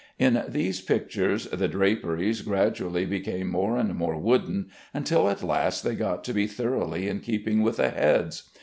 In these pictures the draperies gradually became more and more wooden, until at last they got to be thoroughly in keeping with the heads.